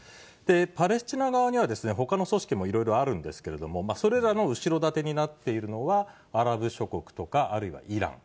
パレスチナ側には、ほかの組織もいろいろあるんですけれども、それらの後ろ盾になっているのは、アラブ諸国とか、あるいはイラン。